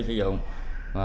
vui là don team